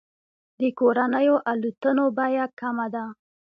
د کورنیو الوتنو بیه کمه ده.